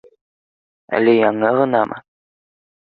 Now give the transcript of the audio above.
Әле яңы ғына м